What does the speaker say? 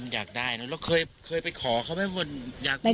อยากได้นะแล้วเคยไปขอเขาไหมว่าอยากมี